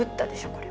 これ。